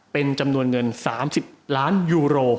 เป็นจำนวนเงิน๓๐ล้านยูโร